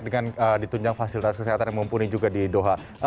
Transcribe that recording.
dengan ditunjang fasilitas kesehatan yang mumpuni juga di doha